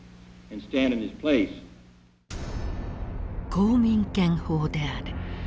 公民権法である。